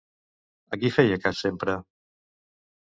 A qui feia cas sempre?